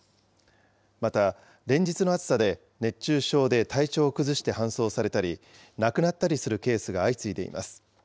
また連日の暑さで、熱中症で体調を崩して搬送されたり、亡くなったりするケースが相次いでいます。